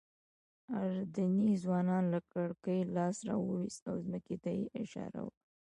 اردني ځوان له کړکۍ لاس راوویست او ځمکې ته یې اشاره وکړه.